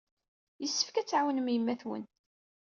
Yessefk ad tɛawnem yemma-twen.